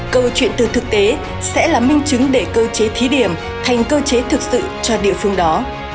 câu chuyện từ thực tế sẽ là minh chứng để cơ chế thí điểm thành cơ chế thực sự cho địa phương đó